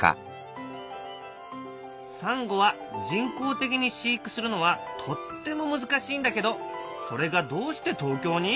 サンゴは人工的に飼育するのはとっても難しいんだけどそれがどうして東京に！？